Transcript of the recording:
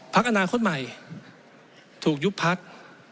พักอนาคตใหม่ถูกยุบพัก